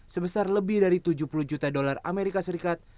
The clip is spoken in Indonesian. sebesar lebih dari tujuh puluh juta dolar amerika serikat